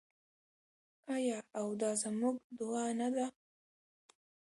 آیا او دا زموږ دعا نه ده؟